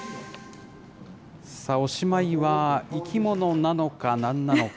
さあ、おしまいは生き物なのか、何なのか。